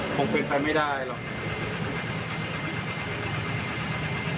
คงเป็นไปไม่ได้หรอก